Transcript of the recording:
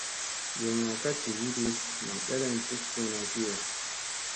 Geŋga ka jividi nam ɓeleŋ duk suuna kiyo.